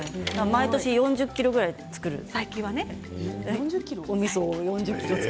毎年４０ｋｇくらい造るんです。